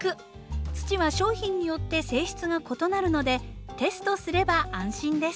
土は商品によって性質が異なるのでテストすれば安心です。